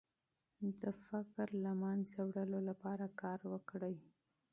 د فقر د له منځه وړلو لپاره کار وکړئ.